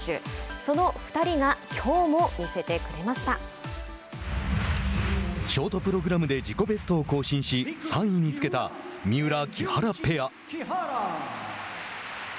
その２人がショートプログラムで自己ベストを更新し３位につけた三浦・木原ペア。